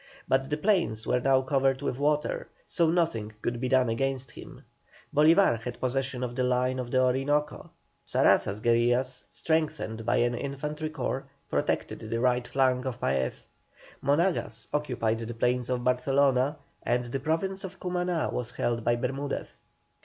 But the plains were now covered with water, so nothing could be done against him. Bolívar had possession of the line of the Orinoco. Saraza's guerillas, strengthened by an infantry corps, protected the right flank of Paez. Monagas occupied the plains of Barcelona, and the Province of Cumaná was held by Bermudez.